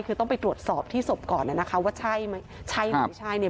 คือต้องไปตรวจสอบที่ศพก่อนนะคะว่าใช่ไหมใช่หรือไม่ใช่เนี่ย